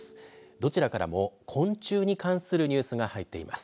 どちらからも昆虫に関するニュースが入っています。